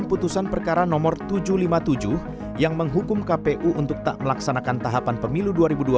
putusan perkara nomor tujuh ratus lima puluh tujuh yang menghukum kpu untuk tak melaksanakan tahapan pemilu dua ribu dua puluh